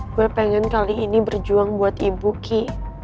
gue pengen kali ini berjuang buat ibu ki